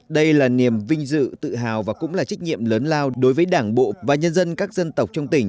đây là niềm vinh dự tự hào và cũng là trách nhiệm lớn lao đối với đảng bộ và nhân dân các dân tộc trong tỉnh